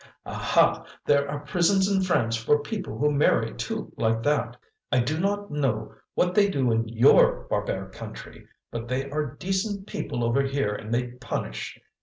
Aha, there are prisons in France for people who marry two like that; I do not know what they do in YOUR barbaric country, but they are decent people over here and they punish.